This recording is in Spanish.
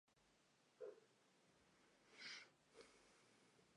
Está casada con el gran maestro internacional Gilberto Eduardo Hernández Guerrero.